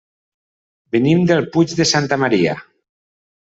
Venim del Puig de Santa Maria.